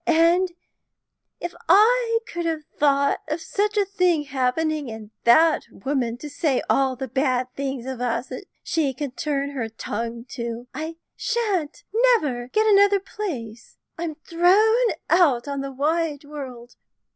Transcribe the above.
As if I could have thought of such a thing happening, and that woman to say all the bad things of us she can turn her tongue to! I sha'n't never get another place; I'm thrown out on the wide world!"